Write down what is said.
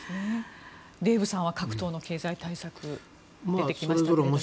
デーブさんは各党の経済対策出てきましたけども。